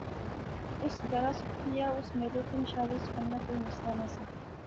اس گلاہ اس کیا اس میلے تہ مشاعرے وچ گینا کوئی مسئلہ نہسا